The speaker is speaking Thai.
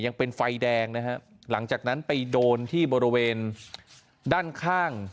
ยังเป็นไฟแดงนะฮะหลังจากนั้นไปโดนที่บริเวณด้านข้าง